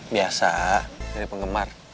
biasa dari penggemar